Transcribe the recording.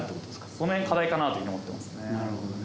その辺課題かなというふうに思ってますね。